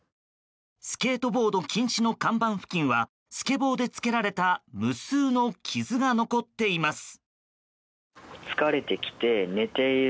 「スケートボード禁止」の看板付近はスケボーでつけられた無数の傷が残っています。